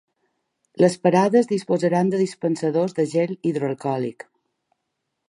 Les parades disposaran de dispensadors de gel hidroalcohòlic.